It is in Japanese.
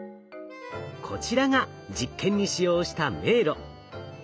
こちらが実験に使用した迷路。